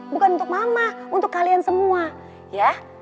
bukan untuk mama untuk kalian semua ya